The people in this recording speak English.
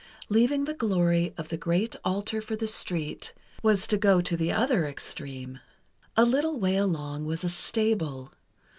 Leaving the glory of the great altar for the street, was to go to the other extreme. A little way along, was a stable.